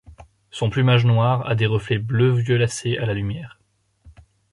Son plumage noir a des reflets bleu-violacé à la lumière.